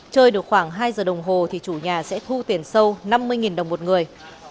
chơi được khoảng hai giờ đồng hồ thì chủ nhà sẽ thu tiền sâu năm mươi đồng một người